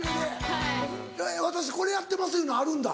私これやってますというのあるんだ。